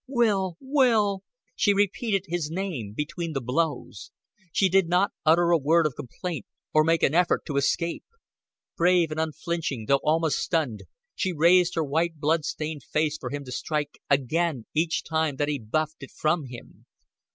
"Will!" "Will!" She repeated his name between the blows. She did not utter a word of complaint, or make an effort to escape. Brave and unflinching, though almost stunned, she raised her white blood stained face for him to strike again each time that he buffed it from him.